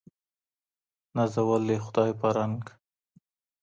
نازولی خدای په رنګ